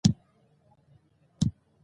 که خال پر وینو کښېږدي، نو ګلاب وشرموي.